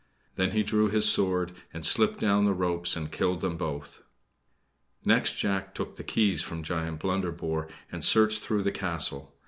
Then he drew his sword and slipped down the ropes and killed them both. Next Jack took the keys from Giant Blunderbore and searched through the castle.